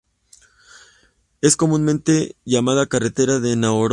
Es comúnmente llamada carretera de Nairobi.